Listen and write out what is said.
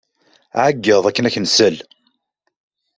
Ɛeyyeḍ akken ad ak-nsel!